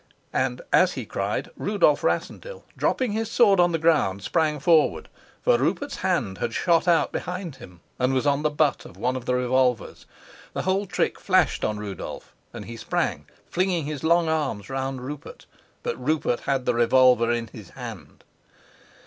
And, as he cried, Rudolf Rassendyll, dropping his sword on the ground, sprang forward. For Rupert's hand had shot out behind him and was on the butt of one of the revolvers. The whole trick flashed on Rudolf, and he sprang, flinging his long arms round Rupert. But Rupert had the revolver in his hand.